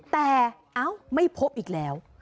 แต่ไม่พบอีกแล้ว